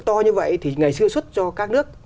to như vậy thì ngày xưa xuất cho các nước